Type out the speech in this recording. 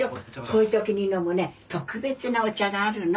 こういう時に飲むね特別なお茶があるの。